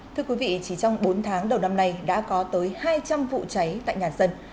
thưa quý vị chỉ trong bốn tháng đầu năm nay đã có tới hai trăm linh vụ cháy tại nhà dân